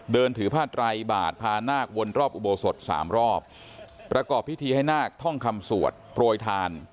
เดินถือผ้าไตรบาทพานาควนรอบอุโบสถสามรอบประกอบพิธีให้นาคท่องคำสวดโปรยทาน